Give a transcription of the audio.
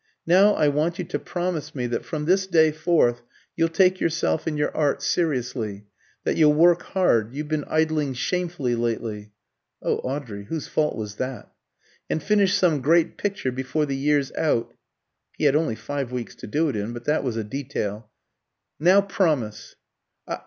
Now I want you to promise me that, from this day forth, you'll take yourself and your art seriously; that you'll work hard you've been idling shamefully lately" (oh, Audrey! whose fault was that?) "and finish some great picture before the year's out" (he had only five weeks to do it in, but that was a detail). "Now promise."